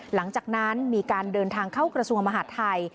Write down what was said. หลังจากนั้นมีการเดินทางเข้ากระทรวงมหาดไทย